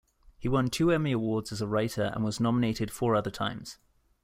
He won two Emmy Awards as a writer and was nominated four other times.